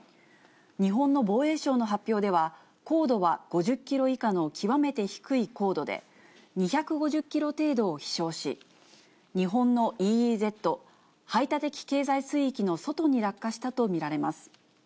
日本の防衛省の発表では、高度は５０キロ以下の極めて低い高度で、２５０キロ程度を飛しょうし、日本のＥＥＺ・排他的経済水域の外に落下したと見られます。